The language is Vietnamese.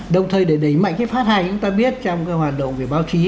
đồng thời để đẩy mạnh cái phát hành chúng ta biết trong cái hoạt động về báo chí